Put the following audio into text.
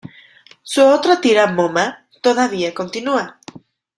Su otra tira, "Momma", todavía continua.